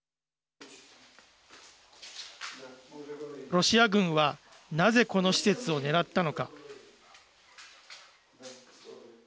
ロシア軍はなぜ、この施設を狙ったのか。